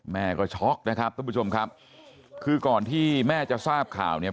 แม่ก็ช็อกนะครับทุกผู้ชมครับคือก่อนที่แม่จะทราบข่าวเนี่ย